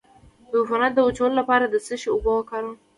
د عفونت د وچولو لپاره د څه شي اوبه وکاروم؟